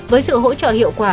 với sự hỗ trợ hiệu quả